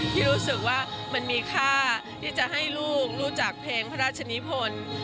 ที่รู้สึกว่ามันมีค่าที่จะให้ลูกรู้จักเพลงพระราชนิพล